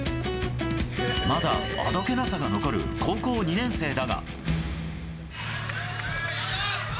まだあどけなさが残る高校２年生だが。